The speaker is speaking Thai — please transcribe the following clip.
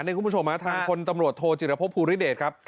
แฮทผู้ประชาหการตำรวจโทษจิดลพพูริเดตครับ